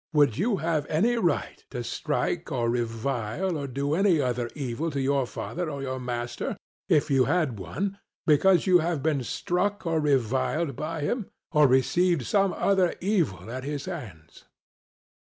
Would you have any right to strike or revile or do any other evil to your father or your master, if you had one, because you have been struck or reviled by him, or received some other evil at his hands?